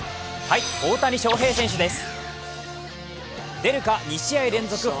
大谷翔平選手です。